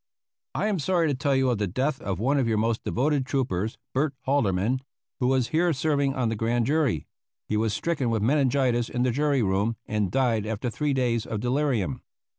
"I am sorry to tell you of the death of one of your most devoted troopers, Bert Holderman, who was here serving on the Grand Jury. He was stricken with meningitis in the jury room, and died after three days of delirium.